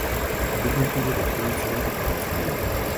Es nativo de Queensland en Australia.